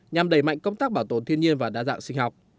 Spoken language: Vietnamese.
nhằm đẩy mạnh công tác bảo tồn thiên nhiên và đa dạng sinh học